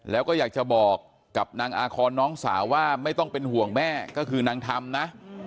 แล้วก็อยากจะบอกกับนางอาคอนน้องสาวว่าไม่ต้องเป็นห่วงแม่ก็คือนางธรรมนะ